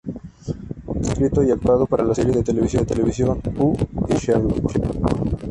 Además ha escrito y actuado para la serie de televisión "Doctor Who" y "Sherlock".